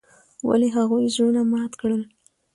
ولې هغوي زړونه مات کړل.